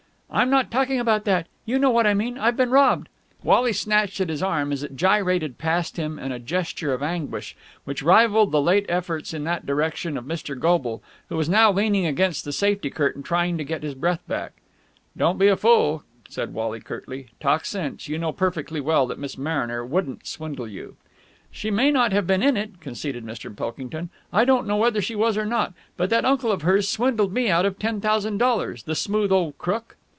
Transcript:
"I'm not talking about that! You know what I mean! I've been robbed!" Wally snatched at his arm as it gyrated past him in a gesture of anguish which rivalled the late efforts in that direction of Mr. Goble, who was now leaning against the safety curtain trying to get his breath back. "Don't be a fool," said Wally curtly. "Talk sense! You know perfectly well that Miss Mariner wouldn't swindle you." "She may not have been in it," conceded Mr. Pilkington. "I don't know whether she was or not. But that uncle of hers swindled me out of ten thousand dollars! The smooth old crook!"